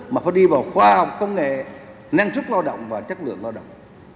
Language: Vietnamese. mà phải đi vào khoa học công nghệ năng suất lao động và chất lượng lao động